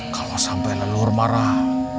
kalau sampai leluhur marah